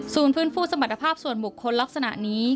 ฟื้นฟูสมรรถภาพส่วนบุคคลลักษณะนี้